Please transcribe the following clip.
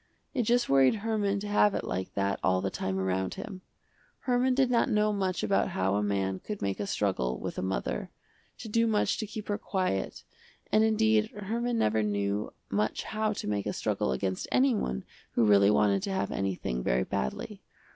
It just worried Herman to have it like that all the time around him. Herman did not know much about how a man could make a struggle with a mother, to do much to keep her quiet, and indeed Herman never knew much how to make a struggle against anyone who really wanted to have anything very badly.